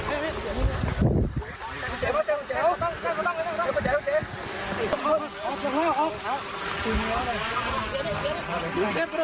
เซฟเซฟ